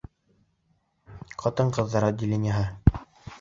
Ҡатын-ҡыҙҙар отделениеһы.